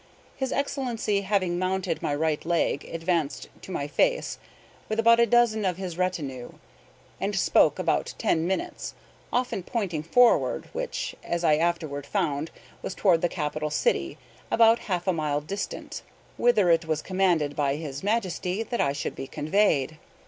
His Excellency, having mounted my right leg, advanced to my face, with about a dozen of his retinue, and spoke about ten minutes, often pointing forward, which, as I afterward found, was toward the capital city, about half a mile distant, whither it was commanded by his Majesty that I should be conveyed.